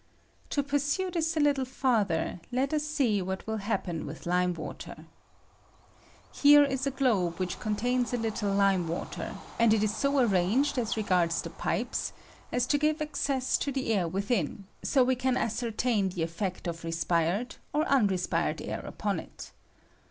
To pursue this a little farther, let us see what will happen with Hme water. Here is a globe which contains a little lime water, and it is so arranged as regards the pipes as to give access to the air within, so that we can ascertain the effect of respired or unrespired air upon it.